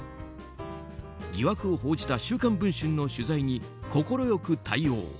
疑惑を報じた「週刊文春」の取材に快く対応。